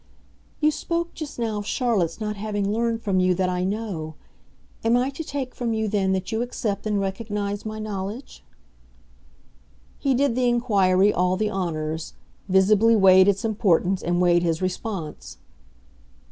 "You spoke just now of Charlotte's not having learned from you that I 'know.' Am I to take from you then that you accept and recognise my knowledge?" He did the inquiry all the honours visibly weighed its importance and weighed his response.